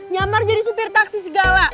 nyamar jadi supir taksi segala